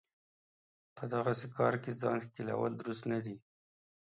په دغسې کار کې ځان ښکېلول درست نه دی.